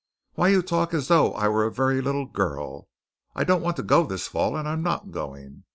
"Why, you talk as though I were a very little girl. I don't want to go this fall and I'm not going.